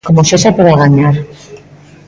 Como sexa pero a gañar.